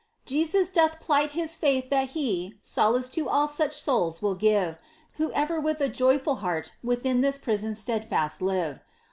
Jesus doth plight His faith that He Solace to all such souls will give, Who ever with a joyful heart Within this prison steadfast live.